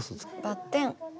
バッテン。